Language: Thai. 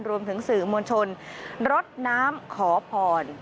รวมถึงสื่อมวลชนรดน้ำขอพร